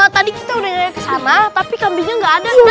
tadi kita udah nyanyi kesana tapi kambingnya gak ada